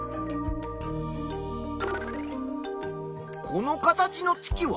この形の月は？